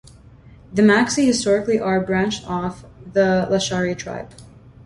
The Magsi historically are branched off the Lashari tribe.